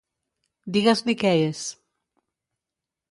Digues-li què és.